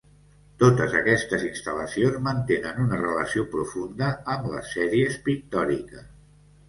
Totes aquestes instal·lacions mantenen una relació profunda amb les sèries pictòriques.